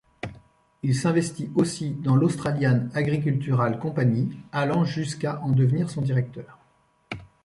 Il s'investit aussi dans l'Australian Agricultural Company allant jusqu'à en devenir son directeur.